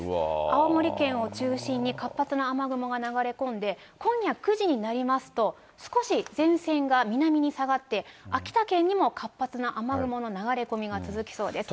青森県を中心に活発な雨雲が流れ込んで、今夜９時になりますと、少し前線が南に下がって、秋田県にも活発な雨雲の流れ込みが続きそうです。